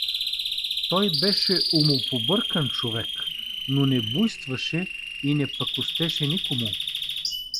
Той беше умопобъркан човек, но не буйствуваше и не пакостеше никому.